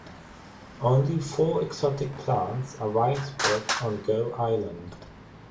Only four exotic plants are widespread on Gough Island.